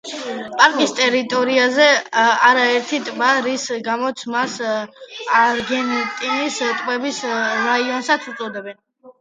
პარკის ტერიტორიაზე არაერთი ტბაა, რის გამოც მას არგენტინის ტბების რაიონსაც უწოდებენ.